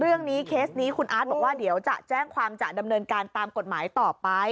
เคสนี้คุณอาร์ตบอกว่าเดี๋ยวจะแจ้งความจะดำเนินการตามกฎหมายต่อไป